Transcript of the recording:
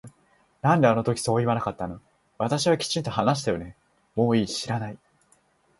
なんであの時そう言わなかったの私はきちんと話したよねもういい知らない